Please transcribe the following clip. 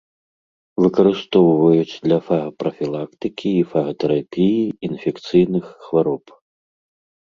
Выкарыстоўваюць для фагапрафілактыкі і фагатэрапіі інфекцыйных хвароб.